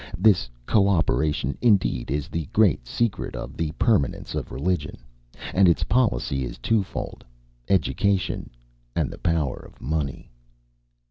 This co operation, indeed, is the great secret of the permanence of religion; and its policy is twofold education and the power of money.